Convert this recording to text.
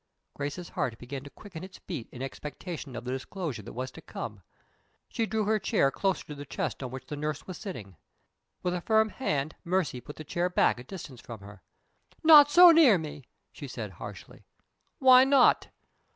Grace's heart began to quicken its beat in expectation of the disclosure that was to come. She drew her chair closer to the chest on which the nurse was sitting. With a firm hand Mercy put the chair back to a distance from her. "Not so near me!" she said, harshly. "Why not?"